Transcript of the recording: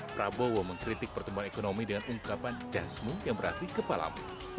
prabowo mengkritik pertumbuhan ekonomi dengan ungkapan dasmu yang berarti kepalamu